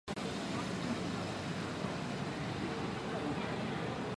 其后再转投锡耶纳和墨西拿两支意大利小型球会。